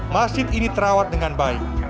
masjid ini terawat dengan baik